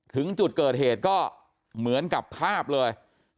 ถึงจุดเกิดเหตุก็เหมือนกับภาพเลย